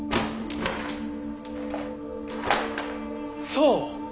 そう。